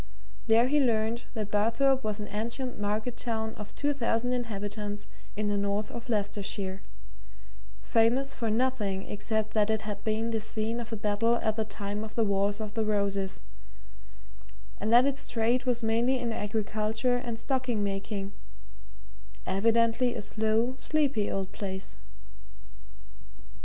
There he learnt that Barthorpe was an ancient market town of two thousand inhabitants in the north of Leicestershire, famous for nothing except that it had been the scene of a battle at the time of the Wars of the Roses, and that its trade was mainly in agriculture and stocking making evidently a slow, sleepy old place.